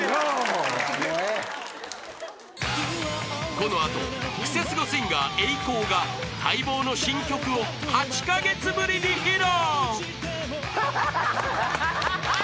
［この後クセスゴシンガーＥＩＫＯが待望の新曲を８カ月ぶりに披露］